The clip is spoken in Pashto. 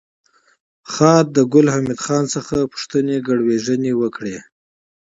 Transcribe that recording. خاد د ګل حمید خان څخه پوښتنې ګروېږنې وکړې